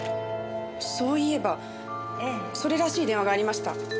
そういえばそれらしい電話がありました。